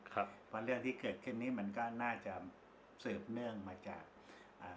ครับเพราะเรื่องที่เกิดขึ้นนี้มันก็น่าจะสืบเนื่องมาจากอ่า